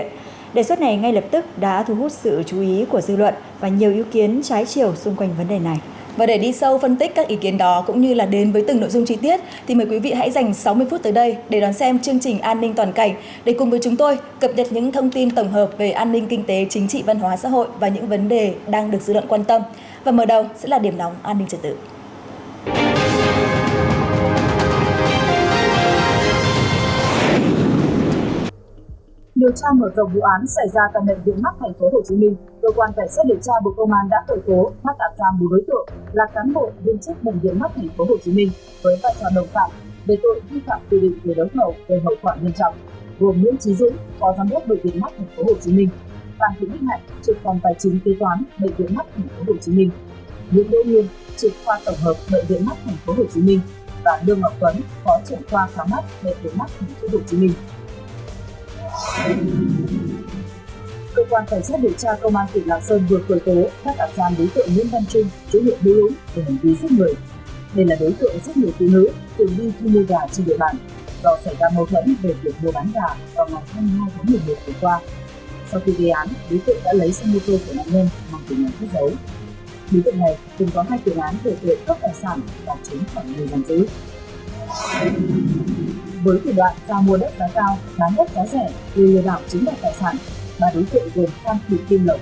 sau phân tích các ý kiến đó cũng như là đến với từng nội dung chi tiết thì mời quý vị hãy dành sáu mươi phút tới đây để đón xem chương trình an ninh toàn cảnh để cùng với chúng tôi cập nhật những thông tin tổng hợp về an ninh kinh tế chính trị văn hóa xã hội và những vấn đề đang được dự luận quan tâm và mở đầu sẽ là điểm nóng an ninh trật tự